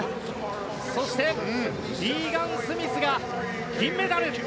そしてリーガン・スミスが銀メダル。